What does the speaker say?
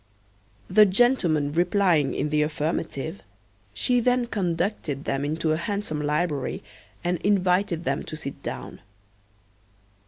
The gentlemen replying in the affirmative, she then conducted them into a handsome library, and invited them to sit down.